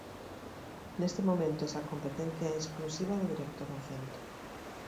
Neste momento esa competencia é exclusiva do director do centro.